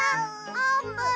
あーぷん。